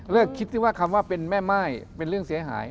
เลิกคิดว่าคำว่าเป็นแม่ไหม้เป็นเรื่องเสียหาย